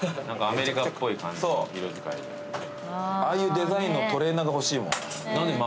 ああいうデザインのトレーナーが欲しいもん。